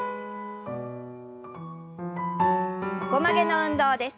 横曲げの運動です。